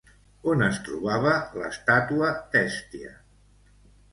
On es trobava l'estàtua d'Hèstia?